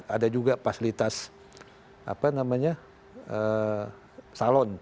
ada juga fasilitas apa namanya salon